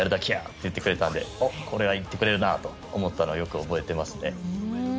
と言っていたのでこれはいってくれるなと思ったのをよく覚えてますね。